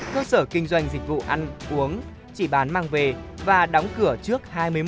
cơ sở kinh doanh dịch vụ ăn uống chỉ bán mang về và đóng cửa trước hai mươi một h hàng ngày